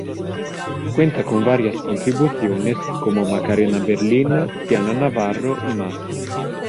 Cuenta con varias contribuciones como Macarena Berlín, Diana Navarro y más.